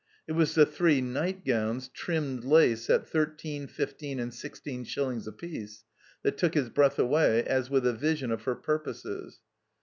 It was the three nightgowns, trimmed lace, at thirteen, fifteen, and sixteen shillings apiece, that took his breath away, as with a vision of her ptuposes.